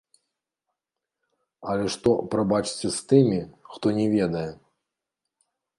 Але што, прабачце, з тымі, хто не ведае?